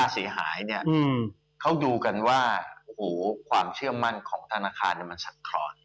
เสียหายเนี่ยเขาดูกันว่าโอ้โหความเชื่อมั่นของธนาคารมันสัดคลอด